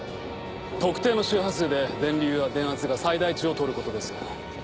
特定の周波数で電流や電圧が最大値をとることです。